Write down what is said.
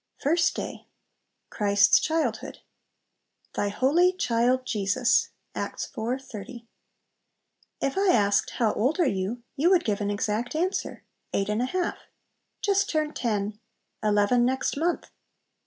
1. First Day. Christ's Childhood. "Thy holy child Jesus." Acts iv. 30. If I asked, "How old are you?" you would give an exact answer. "Eight and a half;" "Just turned ten;" "Eleven next month."